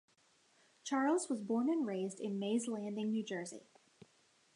Charles was born and raised in Mays Landing, New Jersey.